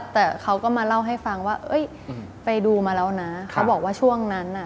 แต่เขาก็มาเล่าให้ฟังว่าเอ้ยไปดูมาแล้วนะเขาบอกว่าช่วงนั้นน่ะ